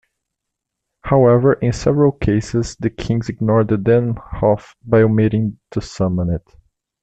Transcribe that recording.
However, in several cases, the kings ignored the Danehof by omitting to summon it.